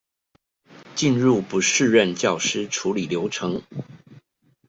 進入不適任教師處理流程